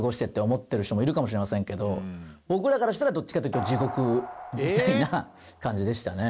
僕らからしたらどっちかっていうと地獄みたいな感じでしたね。